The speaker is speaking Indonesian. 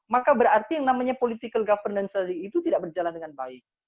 maka berarti yang namanya political governance tadi itu tidak berjalan dengan baik